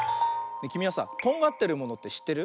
きみはさとんがってるものってしってる？